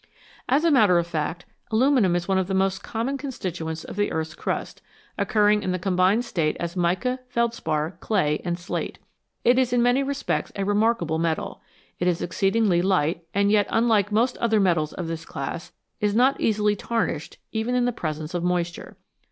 As a matter of fact, aluminium is one of the most common constituents of the earth's crust, occurring in the combined state as mica, felspar, clay, and slate. It is in many respects a remarkable metal. It is exceedingly light, and yet, unlike most other metals of this class, is not easily tarnished even in the presence of moisture.